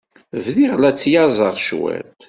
Bdiɣ la ttlaẓeɣ cwiṭ.